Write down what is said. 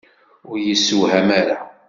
Ur yessewham ara!